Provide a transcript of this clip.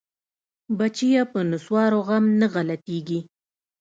بچيه په نسوارو غم نه غلطيګي.